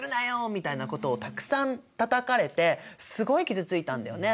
みたいなことをたくさんたたかれてすごい傷ついたんだよね。